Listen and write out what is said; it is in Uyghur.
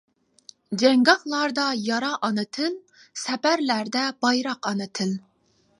جەڭگاھلاردا يارا ئانا تىل، سەپەرلەردە بايراق ئانا تىل.